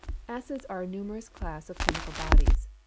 _ Acids are a numerous class of chemical bodies.